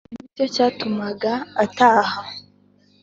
Icyo ni cyo cyatumaga ataha